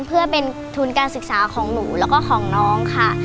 เพื่อเป็นทุนการศึกษาของหนูแล้วก็ของน้องค่ะ